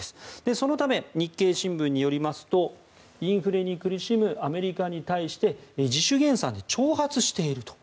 そのため、日経新聞によりますとインフレに苦しむアメリカに対して自主減産で挑発していると。